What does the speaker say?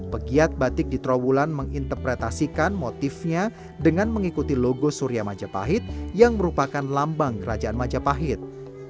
pegiat batik di trawulan menginterpretasikan motifnya dengan mengikuti logo surya majapahit yang merupakan lambang kerajaan majapahit